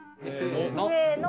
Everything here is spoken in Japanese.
せの！